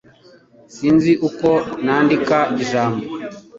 Sinzi uko nandika ijambo